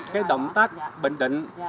cái động tác bình định